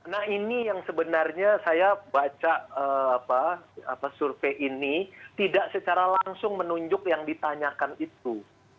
nah ini yang sebenarnya saya baca survei ini tidak secara langsung menunjuk yang ditanyakan itu